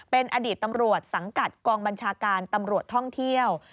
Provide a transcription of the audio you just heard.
เป็นอดีตตำรวจสังกัดกองบัญชาการตำรวจท่องเที่ยว